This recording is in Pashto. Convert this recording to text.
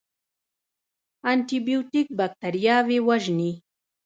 انټي بیوټیک بکتریاوې وژني